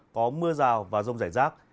có mưa rào và rông rải rác